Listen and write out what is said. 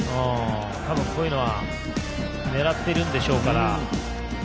こういうのは狙っているんでしょうから。